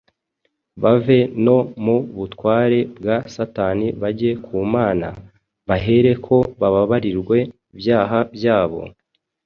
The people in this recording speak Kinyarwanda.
bave no mu butware bwa Satani bajye ku Mana, bahereko bababarirwe ibyaha byabo,